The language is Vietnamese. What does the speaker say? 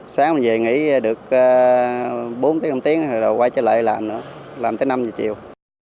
sáng mình về nghỉ được bốn năm tiếng rồi quay trở lại làm nữa làm tới năm giờ chiều